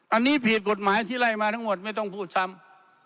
อันนี้ผิดกฎหมายที่ไล่มาทั้งหมดไม่ต้องพูดซ้ำ